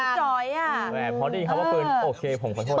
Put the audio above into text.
เพราะที่ที่คำว่าการปืนโอเคผมขอโทษ